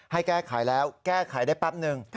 ให้แก้ไขแล้วแก้ไขได้แป๊บนึง